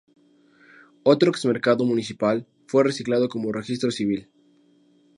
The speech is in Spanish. Otro ex-mercado municipal fue reciclado como registro civil.